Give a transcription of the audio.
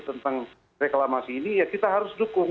tentang reklamasi ini ya kita harus dukung